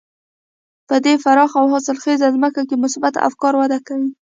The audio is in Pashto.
په دې پراخه او حاصلخېزه ځمکه کې مثبت افکار وده کوي.